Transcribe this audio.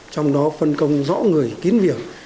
trong đó phân công rõ người kiến việc